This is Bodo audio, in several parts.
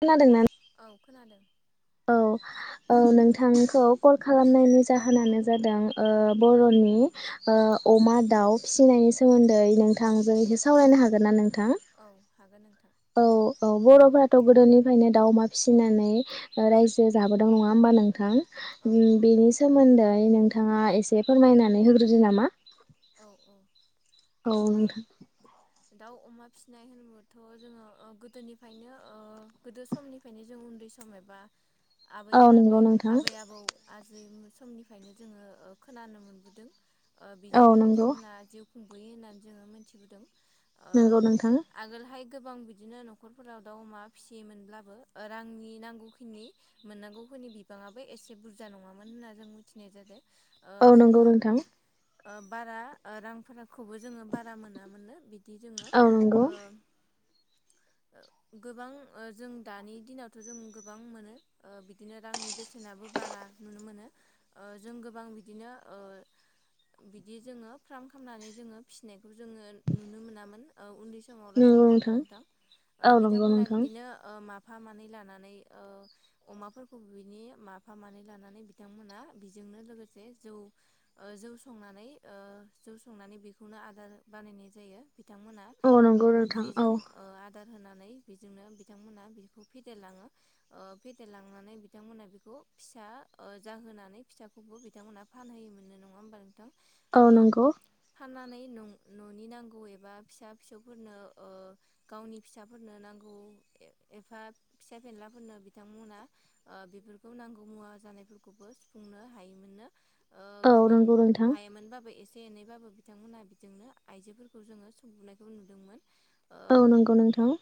खोनादों ना नों औ खोनादों। औ औ नोंथांखौ कल खालामनायनि जाहोनानो जादों ओ बर'नि ओ अमा दाउ फिसिनायनि सोमोन्दै नोंथांजों सावरायनो हागोन ना नों औ हागोन नोंथां। औ औ बर'फोराथ' गोदोनिफ्रायनो दाउ अमा फिसिनानै ओ‌ रायजो जाबोदों नङा होमबा नोंथां? औ उम नंगौ बेनि नोंथां सोमोन्दै नोंथाङा एसे एसे फोरमायनानै होग्रोदो नामा? औ औ। औ ओ नोंथां। दाउ अमा फिसिनाय होनोबाथ' जोङो ओ गोदोनिफायनो ओ गोदो समनिफायनो जों उन्दै सम एबा आबै औ आबै नंगौ नोंथां आबै आबौ आजे समनिफायनो जोङो ओ खोनानो मोनबोदों। औ बेजोंनो नंगौ बिथांमोनहा जिउ खुंबोयो होननानै जोङो मिथिबोदों। ओ नंगौ नोंथां आगोलहाय। गोबां बिदिनो न'खरफोराव दाउ अमा फिसियोमोनब्लाबो ओ रांनि नांगौखिनि मोननांगौखिनि बिबाङाबो एसे बुरजा नङामोन होनना जों मिथिनाय जादों। ओ औ नोंगौ जोङो नोंथां। ओ बारा ओ रांफोरा खौबो जोङो बारा मोनामोन नो बिदि जोङो औ नंगौ ओ गोबां ओ जों दानि दिनावथ' जों गोबां मोनो ओ बिदिनो रांनि बेसेनाबो बारा नुनो मोनो ओ जों गोबां बिदिनो ओ बिदि जोङो फ्राम खालामनानै जोङो फिनायखौ जोङो नुनो मोनामोन ओ उन्दै समाव लासै नङा होमबा नोंथां ओ औ नंगौ बिथांमोनहा नोंथां बिदिनो ओ मा फा मानै लानानै ओ अमाफोरखौ बिनि माफा मानै लानानै बिथांमोना बेजोंनो लोगोसे जौ ओ जौ स संनानै ओ जौ संनानै बेखौनो आदार बानायनाय जायो। बिथांमोना औ ओ नंगौ नोंथां उफ्रिजों औ ओ आदार होना नानै बेजोंनो बिथांमोना बेखौ फेदेरलाङो ओ फेदेरलांनानै बिथांमोना बेखौ फिसा जाहोनानै फिसाखौबो बिथांमोना फानहोयोमोननो नङा होमबा नो औ ओ नंगौ फाननानै नों न'नि नांगौ एबा फिसा फिसौफोरनो ओ गावनि फिसाफोरनो नांगौ एफा फिसा फेनलाफोरनो बिथांमोना ओ बेफोरखौ नांगौ मुवा जानायफोरखौबो सुफुंनो हायोमोननो। ओ औ गोबां नंगौ नों हायामोनबाबो एसे एनैबाबो बिथांमोनहा बिजोंनो आइजोफोरखौ जोङो संबुनायखौ नुदोंमोन। औ नंगौ नोंथां।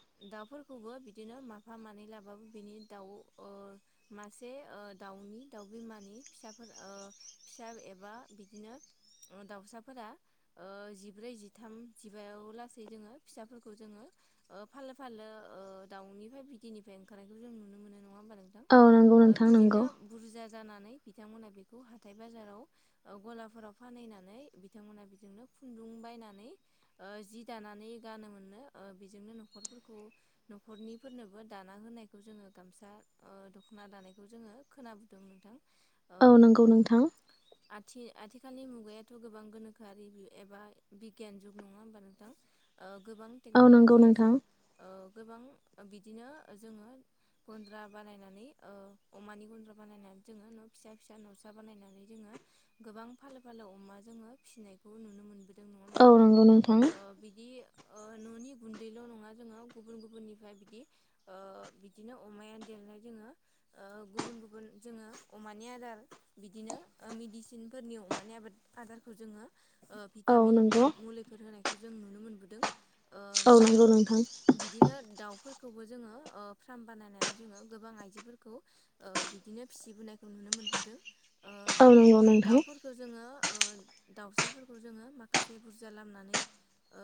खौबो बिदिनो माफा मानै लाबाबो बिनि दाउ ओ मासे ओ दाउनि दाउ बिमानि फिसाफोर ओ फिसा एबा बिद दिनो दाउसाफोरा ओ जिब्रै जिथाम जिबायाव लासै जोङो फिसाफोरखौ जोङो फाललो फाललो ओ दाउनिफ्राय बिदैनिफ्राय ओंखारनायखौ जों नुनो मोनो न नङा होमबा नोंथां औ नंगौ ओ नोंथां नंगौ बिदिनो बुरजा जानानै बिथांमोनहा बेखौ हाथाय बाजाराव गलाफोराव फानहैनानै बिथांमोनहा बेजोंनो खुन्दुं बायनानै ओ जि दानानै गानोमोननो बेजोंनो ओ न'खरफोरखौ न'खरनिफोरनोबो दाना होनायखौ जोङो गामसा ओ दख'ना दानायखौ जोङो खोनाबोदों नोंथां। औ नंगौ नोंथां। आथि-आथिखालनि मुगायाथ' गोबां गोनोखोआरि एबा बिगियान जुग नङा होमबा नोंथां? ओ गोबां औ नंगौ टेक्न'ल'जिया नोंथां जुग ओ गोबां बिदिनो जोङो गन्द्रा बानायनानै ओ अमानि गन्द्रा बानायनानै जोङो न' फिसा फिसा न'सा बानायनानै जोङो गोबां फालो फालो अमा जोङो फिनायखौ नुनो मोनबोदों नङा होमबा औ नोंथां? नंगौ ओ बिदि ओ न'नि गुन्दैल' नङा जोङो गुबुन गुबुननिफ्राय बिदि ओ बिदिनो अमाया देरनाय जोङो ओ गुबुन गुबुन जोङो अमानि आदार बिदिनो मेडिसिनफोरनि अमानि आबाद आदारखौ जोङो ओ‌ औ भिटामिन नंगौ मुलिफोर होनाय जों नुनो मोनबोदों। ओ औ नोंगौ नोंथां। खौबो जोङो फार्म बानायनानै जोङो गोबां आइजोफोरखौ ओ बिदिनो फिबोनायखौ नुनो मोनबोदों ओ औ नंगौ नोंथां दाउफोरखौ जोङो ओ दाउसाफोरखौ जोङो माखासे बुरजा लामनानै ओ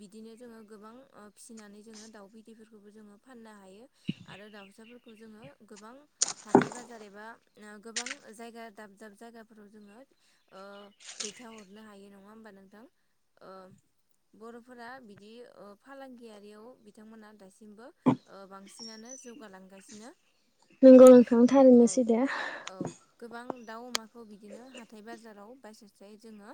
बिदिनो जोङो गोबां फिनानै जोङो दाउ बिदैफोरखौबो जोङो फाननो हायो आरो दाउसाफोरखौ जोङो गोबां हाथाय बाजार एबा गोबां जायगा दाब दाब जायगाफोराव जोङो ओ दैथाहरनो हायो नङा होमबा नोंथां ओ बर'फोरा बिदि फालांगियारियाव बिथांमोना दासिमबो ओ बांसिनानो जौगालांगासिनो। नंगौ नोंथां थारैनो औ सैथो। औ गोबां दाउ अमाखौ बिदिनो हाथाय बाजाराव बायसेस्राय जोङो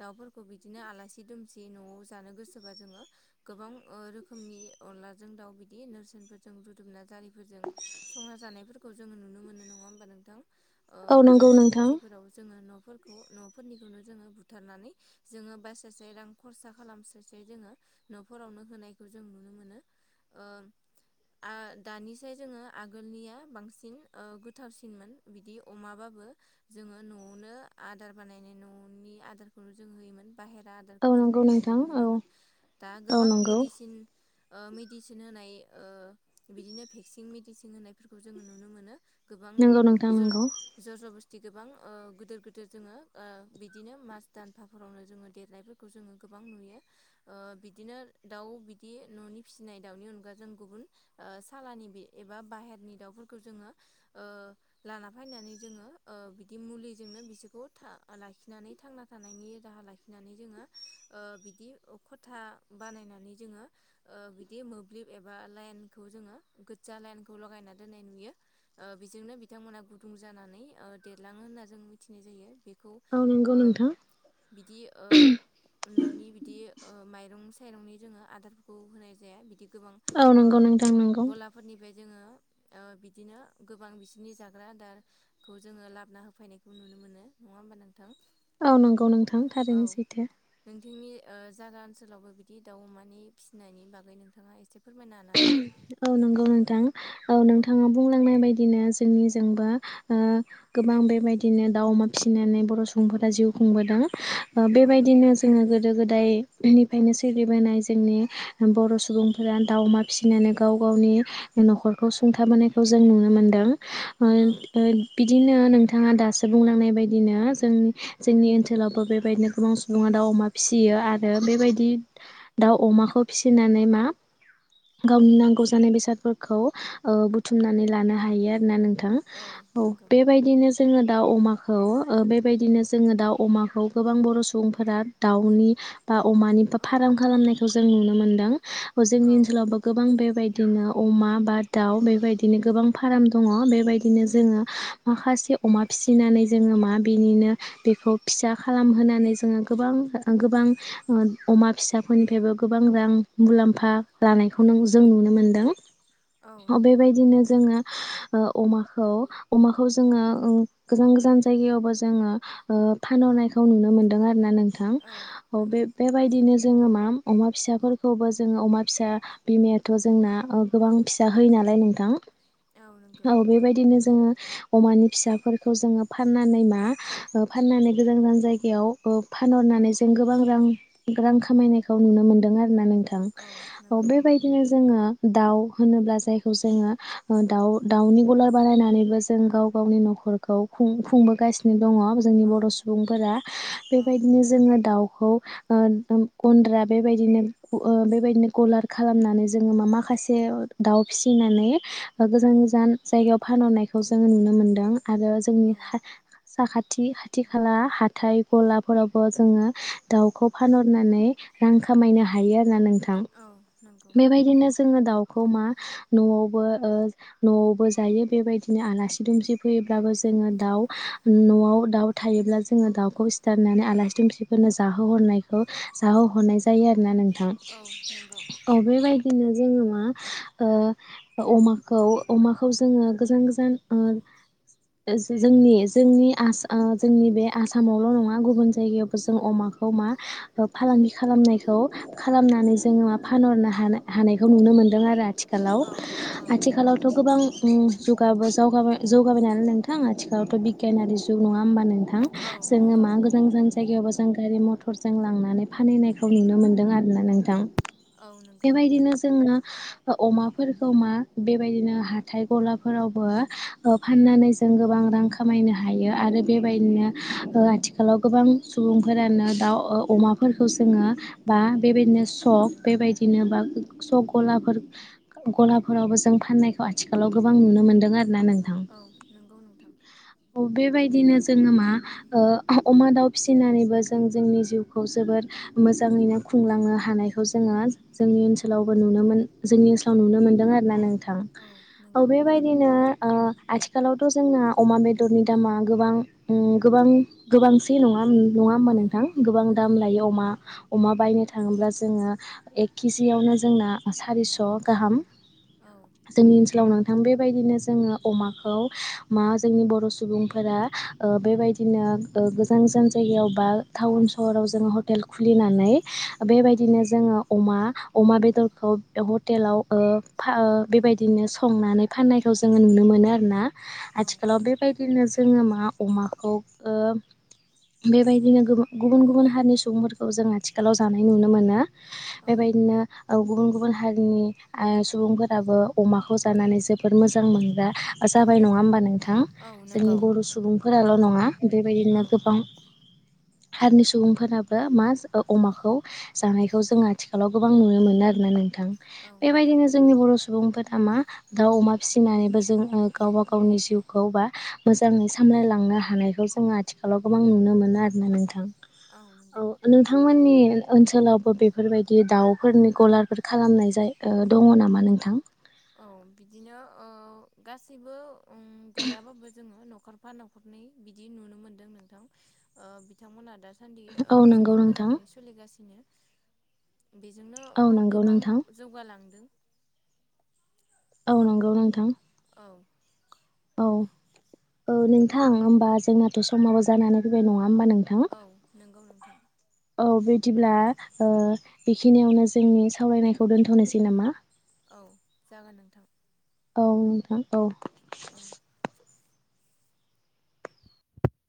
दाउफोरखौ बिदिनो आलासि दुमसि न'आव जानो गोसोबा जोङो गोबां रोखोमनि अनलाजों दाउ दाउ अमाखौ बिदिनो हाथाइ बाजाराव बायस्लायस्लाय जोङो दाउफोरखौ बिदिनो आलासि दुमसि न'आव जानो गोसोबा जोंङो गोबां ओ रोखोमनि अनलाजों दाउ बिदि नोरसोनफोरजों रुदुमना जारिफोरजों संना जानायफोरखौ जोङो नुनो मोनो। नङा होमबा नोंथां? औ नंगौ आलासि नोंथां दुमसिफोराव जोङो न'फोरख खौ न'फोरनिखौनो जोङो बुथारनानै जोङो बायस्लायस्लाय रां खरसा खालामस्लायस्लाय जोङो न'फोरावनो होनायखौ नुनो मोनो ओ आ दानिसाय जोङो आगोलनिया बांसिन ओ गोथारसिनमोन बिदि अमाबाबो बो जोङो न'आवनो आदार बानायनाय न'नि आदारखौनो जों होयोमोन। बाहेरा आदारखौ औ जों नंगौ होनाय नोंथां नुनो औ मोनामोन दा औ गोबां नंगौ मेडिसिन ओ मेडिसिन होनाय ओ बिदिनो भेक्सिं मेडिसिन होनायफोरखौ जोङो नुनो मोनो। नंगौ नोंथां नंगौ। ज बस्थि गोबां ओ गोदोर गोदोर जोङो ओ बिदिनो मास दानफाफोरावनो जोङो देरनायफोरखौ जोङो गोबां नुयो ओ बिदिनो दाउ बिदि न'नि फिसिनाय दाउनि अनगा जों गुबुन ओ सालानि बे एबा बाहेरनि दाउफोरखौ जोङो ओ लाना फायनानै जोंङो ओ बिदि मुलिजोंनो बिसोरखौ था लाखिनानै थांना थानायनि राहा लाखिनानै जोंङो ओ बिदि ओ खथा बानायनानै जोंङो ओ बिदि मोब्लिब एबा लाइनखौ जोंङो गोजा लाइनखौ लगायना दोननाय नुयो ओ बिजोंनो बिथांमोना गुुदुं ज जानानै ओ देरलाङो होनना जों मिथिनाय जायो। बेखौ औ नंगौ ओ नोंथां बिदि ओ न'नि बिदि ओ माइरं स खायरंनि जोङो आदारखौ होनाय जाया बिदि गोबां औ ओ नंगौ नोंथां नंगौ गलाफोरनिफ्राय जोङो ओ बिदिनो गोबां बिसोरनि जाग्रा आदार खौ जोङो लाबना होफैनायखौ नुनो मोनो नङा होमबा नोंथ औ नंगौ नोंथां थारैनो सैथो। नोंथांनि ओ जागा ओनसोलावबो बिदि दाउ अमानि फिसिनायनि बागै नोंथाङा एसे फोरमायना होनो हागोन ना? औ नंगौ नोंथां। औ नोंथाङा बुंलांनाय बायदिनो ज जोंनिजोंबा ओ गोबां बेबायदिनो दाउ अमा फिसिनानै बर' सुबुंफोरा जिउ खुंबोदों। ओ औ बेबायदिनो जोङो गोद दो गोदायनिफ्रायनो सोलिबोनाय जोंनि बर' सुबुंफोरा दाउ, अमा फिसिनानै गो गाव गावनि न'खरखौ सुंथाबोनायखौ जों नुनो मोनदों। [unintelligible] ओन औ ओन बिदिनो नोंथाङा दासो बुंलांनाय बायदिनो जोंनि जोंनि ओनसोलावबो बेबायदिनो गोबां सुबुङा दाउ, अमा फिसियो आरो बेबायदि दाउ अमाखौ फिसिनानै मा गावनि नांग गौ जानाय बेसादफोरखौ ओ बुथुमनानै लानो हायो आरोना नोंथ थां औ बेबायदिनो जोङो दाउ, अमा ख खौ ओ बेबायदिनो जोङो दाउ, अमाखौ गोबां बर' सुबुंफोरा दाउनि बा अमानि बा औ फाराम खालामनायखौ ज जों नुनो मोनदों। ओ जोंनि औ ओनसोलावबो गोबां बे दिनो अमा बा दाउ बेबायदिनो गोबां फाराम दङ बेबायदिनो जोङो माखासे अमा फिसिनानै जोङो मा बिनिनो बेखौ फिसा खालामहोनानै जोङो गोबां ओ गोबां ओ अमा फिसाफोरनिफ्रायबो गोबां रां मुलाम्फा लानायखौ नों जों नुनो मोनो। दों औ ह नंगौ बेबायदिनो जोङो ओ अमाखौ अमाखौ जोङो ओं गोजान गोजान जायगायावबो जोङो ओ फानहरनायखौ नुनो मोनदों आरोना नोंथ थां औ बे बेबायदिनो जोङो माम अमा फिसाफोरखौबो जोङो अमा फिसा बिमायाथ' जोंना औ गोबां फिसा होयो नालाय नोंथां औ बेबायदिनो जोङो अमानि फिसाफोरखौ जोङो फाननानै मा फाननानै गोजान गोजान जायगायाव फानहरनानै जों गोबां रां खामायनायखौ नुनो मोनदों आरोना नों थां औ बेबायदिनो जोङो दाउ होनोब्ला जायखौ जोङो दाउ-दाउनि गलार बानायनानैबो जों गाव गावनि न'खरखौ खुंबोगासिनो दङ जोंनि औ बर' सुबुंफोरा औ बेबायदिनो जोङो दाउ खौ ओ गुन्द्रा बेबायदिनो ओ बेबायदिनो गलार खालामनानै जोंङो मा-मा माखासे दाउ फिसिनानै गोजान-गोजान जायगायाव फानहरनायखौ जोंङो नुनो मोनदों। आरो जोंनि औ खा साखाथि खाथि खाला हाथाय गलाफोरावबो जोंङो दाउखौ फानहरनानै रां खामायनो हायो आरोना नों थां औ नंगौ बेबायदिनो जों दाउखौ मा न'आवबो ओ न'आवबो जायो बेबायदिनो आलासि दुमसि फैयोब्लाबो जोंङो दाउ नआव दाउ थायोब्ला जोंङो दाउखौ सिथारनानै आलासि दुमसिफोरनो जाहोहरनायखौ जाहोहरनाय जायो आरोना नों थां औ नंगौ औ बेबायदिनो जोंल' नंङा ओ अमाखौ अमाखौ जोंङो गोजान-गोजान ओ‌ जों जोंनि-जोंनि बे आसामावल नंङा गुबुन जायगायावबो जों अमाखौ मा फालांगि खालामनायखौ खालामनानै जोंङो फानहरनो हा हानाय। बेखौ नुनो मोन्दों आरो आथि आथिखालाव औ औ आथिखालावथ' गोबां उं जौगा जौगाबाय नालाय नोंथां आथिखालावथ बिगियानारि जुग नंङा होमबा नोंथां औ जोंङो नंगौ मा गोजान-गोजान जायगायावबो जों गारि मथर जों लांनानै फानहैनायखौ नुनो मोनदों आरोना नोंथां औ नंगौ बेबायदिनो। अमाफोरखौ मा बेबायदिनो हाथाय गलाफोरावबो ओ फाननानै जों गोबां रां खामायनो हायो आरो बेबायदिनो ओ आथिखालाव गोबां सुबुंफोरानो दाउ अमाफोरखौ जोंङो बा बेबायदिनो सक बेबायदिनो बा। स गलाफोर गलाफोरावबो जों फाननायखौ आथिखालाव गोबां नुनो मोनदों आरोना नों औ नोंगौ नोंथां बिदिनो जोंङो ओ मा अमा दाउ फिसिनानैबो जों जोंनि जिउखौ जोबोर मोजांङैनो खुंलांनो हानायखौ जोंङो जोंनि ओनसोल ओनसोलावबो नुनोमोन जोंनि ओनसोलाव नुनो मोन्दों आरोना नों थां औ औ नंगौ बेबायदिनो आथिखालावथ जोंना अमा बेदरनि दामा गोबां-गोबां गोबांसै नंङा ओम नंङा होनबा औ नोंथां गोबां दाम नंगौ लायो अमा-अमा बायनो थांङोब्ला जोंयो एक के जि‌ यावनो जोंना सारिस' गाहाम औ जोंनि ओनसोलावनो थां बेबायदिनो जोंङो अमाखौ मा जोंनि बर सुबुंफोरा ओ बेबायदिनो गोजान-गोजान जायगायाव बा टाउन सहराव जोंङो हटेल खुलिनानै। बेबायदिनो जोंङो अमा-अमा बे खौ हटेलाव बेबायदिनो संनानै फाननायखौ जोंङो नुनो मोनो आरोना औ आथिखालाव बेबायदि बिदिनो जोंङो मा अमाखौ ओ‌ बेबायदिनो गुबुन-गुबुन हारिनि सुबुंफोरखौ जों आथिखालाव जानाय नुनो मोनो। बेबायदिनो ओ गुबुन-गुबुन हारिनि सुबुंफोराबो अमाखौ जानानै जोबोद मोजां मोनग्रा जाबाय औ नंङा होनबा नोंथां औ जोंनि नंगौ बर' सुबुं फोराल नंङा बेबायदिनो औ गोबां हारिनि सुबुंफोराबो मा अमाखौ जानायखौ जों आथिखालाव गोबां नुनो मोनो। ना आरोना थां औ नंगौ बेबायदिनो जोंनि बर सुबुंफोर दा मा दाउ अमा फिसिनानैबो जों गावबा गावनि जिउखौ बा मोजाङै सामलायलांनो हानायखौ जोङो आथिखालाव गोबां नुनो मोनो आरोना नोंथां औ नोंथांमोननि ओनसोलावबो बेफोरबायदि दाउफोरनि गलारफोर खालामनाय जाय दङ नामा नोंथां औ बिदिनो गासैबो गैयाबाबो जोङो न'- खरफा न'खरनै बिदि नुनो मोन्दों नोंथां बिथांमोनहा दा सान्दि औ नंगौ जोबोर नोंथां मोजाङै सोलिगासिनो बेजोंनो औ नंगौ गोबां नोंथां जौगालांदों औ नंगौ नोंथां औ औ नोंथां होमबा जोंनाथ' समाबो जानानै फैबाय होमबा नोंथां? औ नंगौ नोंथां औ बिदिब्ला बेखिनियावनो जोंनि सावरायनायखौ दोन्थ'नोसै नामा। औ जागोन नोंथां औ नोंथां औ औ